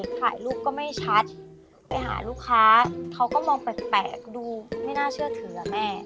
ถ่ายรูปก็ไม่ชัดไปหาลูกค้าเขาก็มองแปลกดูไม่น่าเชื่อถืออะแม่